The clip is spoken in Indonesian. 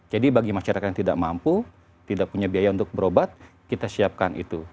jadi bagi masyarakat yang tidak mampu tidak punya biaya untuk berobat kita siapkan itu